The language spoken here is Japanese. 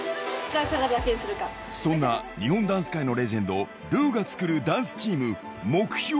そんな日本ダンス界のレジェンド、ルーが作るダンスチーム。